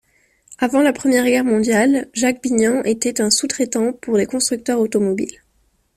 Avant la Première Guerre mondiale, Jacques Bignan était un sous-traitant pour des constructeurs automobiles.